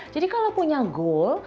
jadi kalau punya goal